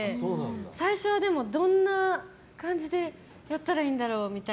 最初はどんな感じでやったらいいんだろうって。